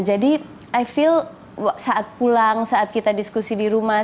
jadi i feel saat pulang saat kita diskusi di rumah